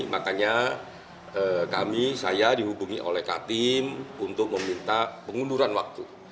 makanya kami saya dihubungi oleh katim untuk meminta pengunduran waktu